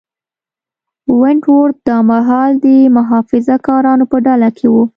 ونټ ورت دا مهال د محافظه کارانو په ډله کې و.